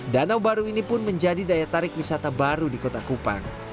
danau baru ini pun menjadi daya tarik wisata baru di kota kupang